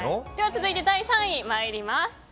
続いて第３位、参ります。